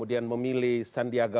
tapi itu hal yang biasa